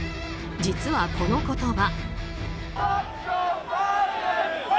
実はこの言葉。